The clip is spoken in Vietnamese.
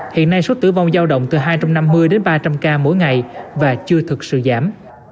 hiện nay số tử vong giao động từ hai trăm năm mươi đến ba trăm linh ca mỗi ngày và chưa thực sự giảm